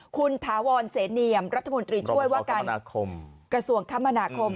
คุณถาวรเสนียมรัฐมนตรีช่วยว่าการกระทรวงคมนาคม